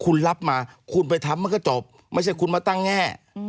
คุณรับมาคุณไปทำมันก็จบไม่ใช่คุณมาตั้งแง่